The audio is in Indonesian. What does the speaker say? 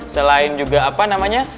selain juga apa namanya